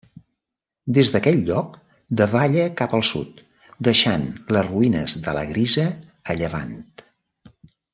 Des d'aquell lloc davalla cap al sud, deixant les ruïnes de la Grisa a llevant.